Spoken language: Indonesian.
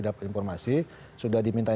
dapat informasi sudah diminta